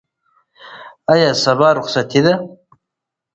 آیا سبا رخصتي ده؟